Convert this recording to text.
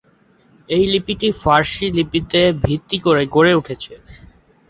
এই লিপিটি ফার্সি লিপিকে ভিত্তি করে গড়ে উঠেছে।